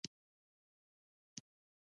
پر سبا يې هغه خپل کور ته ولاړ.